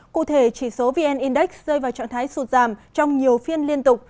cụ thể chỉ số vn index rơi vào trạng thái sụt giảm trong nhiều phiên liên tục